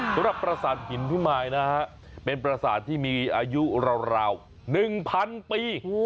สำหรับประสานหินพิมายนะครับเป็นประสานที่มีอายุราว๑๐๐๐ปี